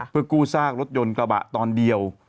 เพื่อกู้ซากรถยนต์กระบะตอนเดียว